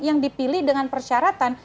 yang dipilih dengan persyaratan